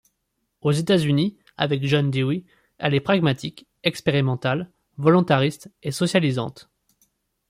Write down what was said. Aux États-Unis, avec John Dewey, elle est pragmatique, expérimentale, volontariste et socialisante.